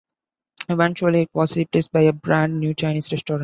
Eventually it was replaced by a brand new Chinese restaurant.